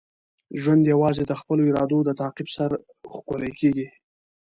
ژوند یوازې د خپلو ارادو د تعقیب سره ښکلی کیږي.